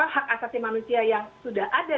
hak asasi manusia yang sudah ada